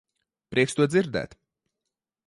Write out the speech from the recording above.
Prieks to dzirdēt.